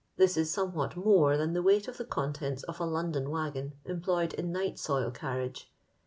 This is sens* what more than the weight of the coartents of a London wagoon empl^fed in night eoil csr liage.